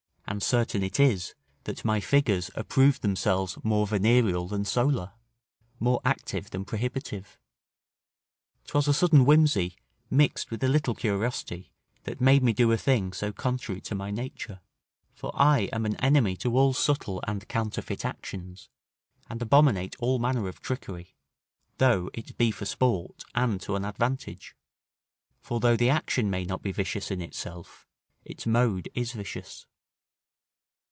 And, certain it is, that my figures approved themselves more venereal than solar, more active than prohibitive. 'Twas a sudden whimsey, mixed with a little curiosity, that made me do a thing so contrary to my nature; for I am an enemy to all subtle and counterfeit actions, and abominate all manner of trickery, though it be for sport, and to an advantage; for though the action may not be vicious in itself, its mode is vicious.